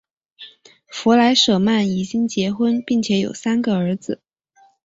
弗莱舍曼已经结婚并且有三个儿子。